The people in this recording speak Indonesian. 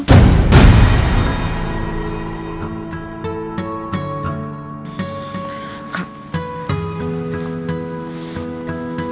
mereka pasti udah kejebak sekarang